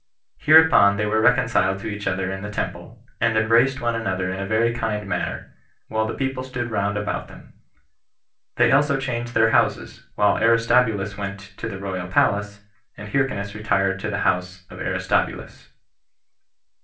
Hereupon they were reconciled to each other in the temple, and embraced one another in a very kind manner, while the people stood round about them; they also changed their houses, while Aristobulus went to the royal palace, and Hyrcanus retired to the house of Aristobulus.